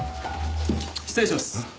失礼します。